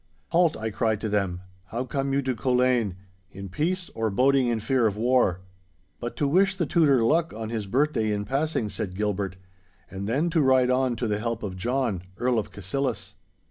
'Halt!' I cried to them. 'How come you to Culzean—in peace or boding in fear of war?' 'But to wish the Tutor luck on his birthday in passing,' said Gilbert, 'and then to ride on to the help of John, Earl of Cassillis.